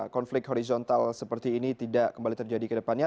konflik horizontal seperti ini tidak kembali terjadi ke depannya